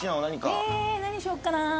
え何しよっかな。